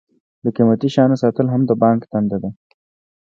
د قیمتي شیانو ساتل هم د بانک دنده ده.